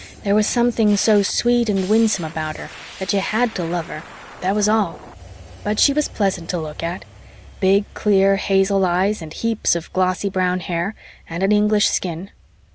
There was something so sweet and winsome about her that you had to love her, that was all. But she was pleasant to look at big, clear, hazel eyes and heaps of glossy brown hair, and an English skin.